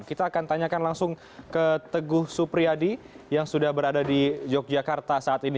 kita akan tanyakan langsung ke teguh supriyadi yang sudah berada di yogyakarta saat ini